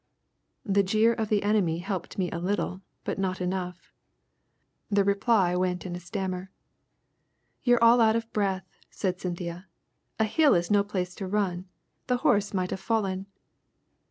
The jeer of the enemy helped me a little, but not enough. The reply went in a stammer. "You are all out of breath," said Cynthia; "a hill is no place to run. The horse might have fallen."